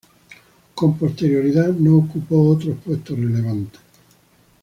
Con posterioridad no ocupó otros puestos relevantes.